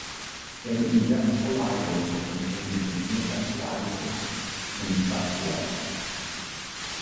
They inject saliva which contains an anticoagulant and suck blood.